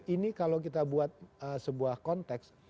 ini kalau kita buat sebuah konteks